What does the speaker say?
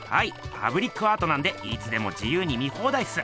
パブリックアートなんでいつでも自由に見放題っす！